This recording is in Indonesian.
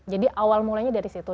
jadi awal mulainya dari situ